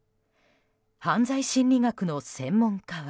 犯罪心理学の専門家は。